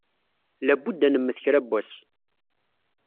Labudd ad nemmet kra n wass.